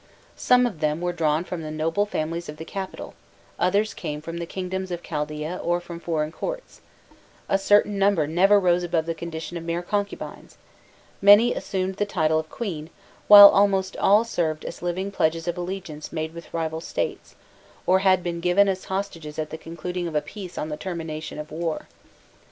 Some of them were drawn from the noble families of the capital, others came from the kingdoms of Chaldaea or from foreign courts; a certain number never rose above the condition of mere concubines, many assumed the title of queen, while almost all served as living pledges of alliances made with rival states, or had been given as hostages at the concluding of a peace on the termination of a war.